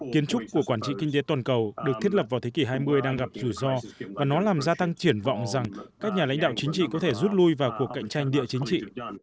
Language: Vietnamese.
kiến trúc của quản trị kinh tế toàn cầu được thiết lập vào thế kỷ hai mươi đang gặp rủi ro và nó làm gia tăng triển vọng rằng các nhà lãnh đạo chính trị có thể rút lui vào cuộc cạnh tranh địa chính trị